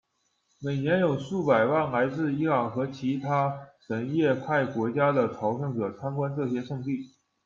每年有数百万来自伊朗和其他什叶派国家的朝圣者参观这些圣地。